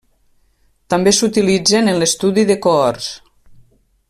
També s'utilitzen en l'estudi de cohorts.